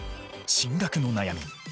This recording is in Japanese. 進学の悩み。